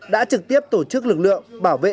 đã trực tiếp tổ chức lực lượng bảo vệ